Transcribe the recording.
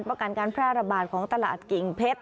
ประกันการแพร่ระบาดของตลาดกิ่งเพชร